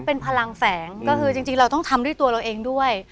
เป็นพลังแฝงก็คือจริงเราต้องทำด้วยตัวเราเองด้วย